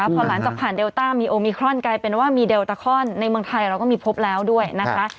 พอหลังจากผ่านเดลต้ามีโอมิครอนกลายเป็นว่ามีเดลตาคลอนในเมืองไทยเราก็มีพบแล้วด้วยนะคะ